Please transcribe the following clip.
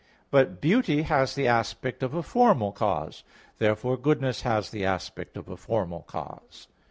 But beauty has the aspect of a formal cause. Therefore goodness has the aspect of a formal cause.